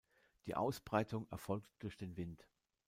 Die Ausbreitung erfolgt durch den Wind.